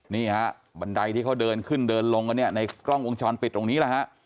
นี่บันไดที่เขาเดินขึ้นเดินลงในกล้องวงชรปิดตรงนี้